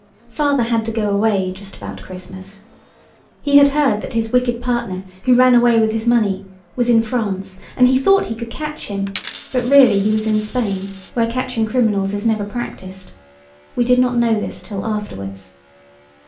Father had to go away just about Christmas. He had heard that his wicked partner, who ran away with his money, was in France, and he thought he could catch him, but really he was in Spain, where catching criminals is never practised. We did not know this till afterwards.